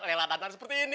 laila dan tani seperti ini